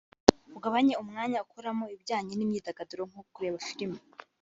ugabanye umwanya ukoramo ibijyanye n'imyidagaduro nko kureba film